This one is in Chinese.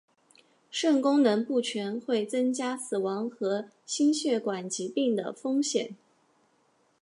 肾功能不全会增加死亡和心血管疾病的风险。